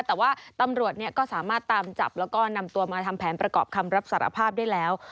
แต่ว่าตำรวจก็สามารถตามจับแล้วก็นำตัวมาทำแผนประกอบคำรับสารภาพได้แล้ว